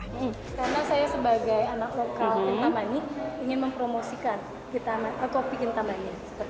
karena saya sebagai anak lokal kitamani ingin mempromosikan kopi kitamani